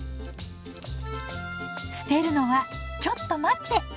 捨てるのはちょっと待って！